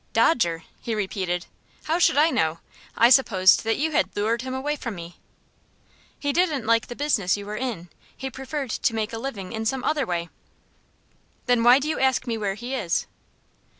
"Dodger!" he repeated. "How should I know? I supposed that you had lured him away from me." "He didn't like the business you were in. He preferred to make a living in some other way." "Then why do you ask me where he is?"